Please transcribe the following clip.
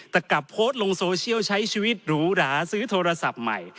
แต่กลับโพสต์ลงโซเชียลใช้ชีวิตหรูหราซื้อโทรศัพท์ใหม่